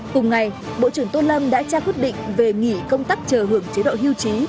cùng ngày bộ trưởng tô lâm đã trao quyết định về nghỉ công tác chờ hưởng chế độ hưu trí